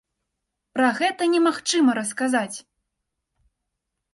Пра гэта немагчыма расказаць!